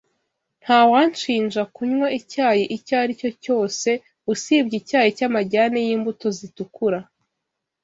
Nta wanshinja kunywa icyayi icyo aricyo cyose usibye icyayi cy’amajyane y’imbuto zitukura.